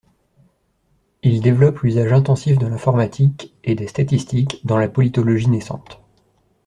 Il développe l'usage intensif de l'informatique et des statistiques dans la politologie naissante.